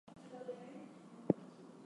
Andreas Glarner withdrew in favor of Chiesa.